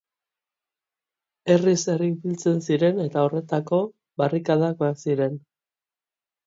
Herriz herri ibiltzen ziren, eta horretako barrikadak baziren.